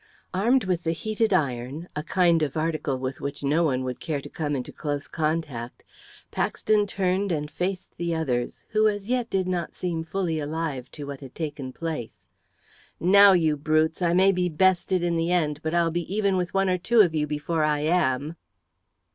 Armed with the heated iron a kind of article with which no one would care to come into close contact Paxton turned and faced the others, who as yet did not seem fully alive to what had taken place. "Now, you brutes! I may be bested in the end, but I'll be even with one or two of you before I am!"